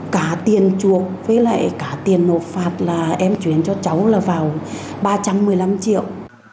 cả tiền chuộc với lại cả tiền nộp phạt là em chuyển cho cháu là vào ba trăm một mươi năm triệu